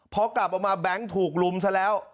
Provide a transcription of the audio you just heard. พอกลับออกมาแบงค์ถูกลุมซะแล้ว